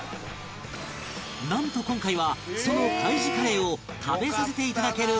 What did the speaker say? なんと今回はその海自カレーを食べさせて頂ける事に